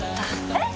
えっ！！